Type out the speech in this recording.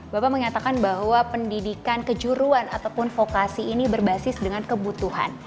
bapak mengatakan bahwa pendidikan kejuruan ataupun vokasi ini berbasis dengan kebutuhan